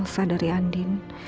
oleh elsa dari andi